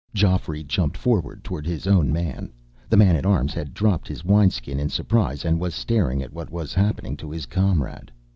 Geoffrey jumped forward, toward his own man. The man at arms had dropped his wineskin in surprise and was staring at what was happening to his comrade.